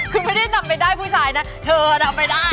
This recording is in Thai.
คือไม่ได้นำไปได้ผู้ชายนะเธอนำไปได้